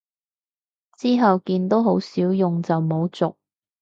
之後見都好少用就冇續